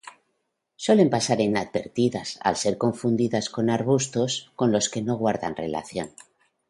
Suelen pasar inadvertidas al ser confundidas con arbustos con los que no guardan relación.